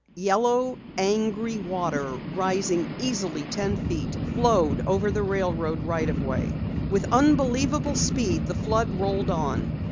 Yellow, angry water, rising easily ten feet, flowed over the railroad right of way. With unbelievable speed the flood rolled on.